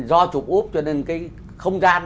do chụp úp cho nên cái không gian